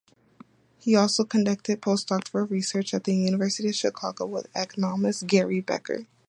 He also conducted postdoctoral research at the University of Chicago with economist Gary Becker.